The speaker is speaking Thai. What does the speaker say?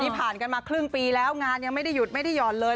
ผ่านมาครึ่งปีแล้วงานยังไม่ได้หยุดยอดเลย